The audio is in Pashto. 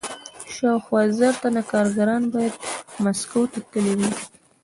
شاوخوا زر تنه کارګران باید مسکو ته تللي وای